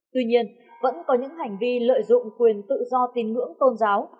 tuy nhiên vẫn có những hành vi lợi dụng quyền tự do tin ngưỡng tôn giáo